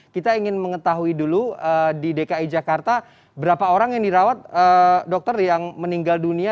kita ingin mengetahui dulu di dki jakarta berapa orang yang dirawat dokter yang meninggal dunia